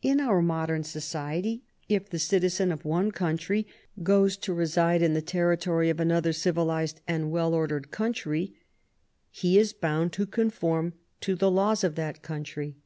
In our modern society, if the citizen of one country goes to reside in the territory of another civilized and well ordered country, he is bouml to con form to the laws of that country.